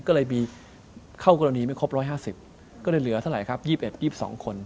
ก็เลยมีเข้ากรณีไม่ครบ๑๕๐ก็เลยเหลือเท่าไหร่ครับ๒๑๒๒คน